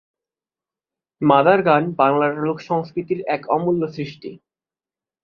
Mother গান বাংলার লোকসংস্কৃতির এক অমূল্য সৃষ্টি।